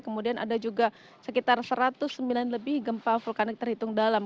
kemudian ada juga sekitar satu ratus sembilan lebih gempa vulkanik terhitung dalam